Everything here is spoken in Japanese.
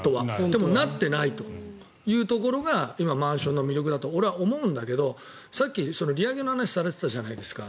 でもなっていないというところが今、マンションの魅力だと俺は思うんだけどさっき、利上げの話をされてたじゃないですか。